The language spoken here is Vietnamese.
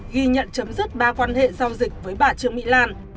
ghi nhận chấm dứt ba quan hệ giao dịch với bà trương mỹ lan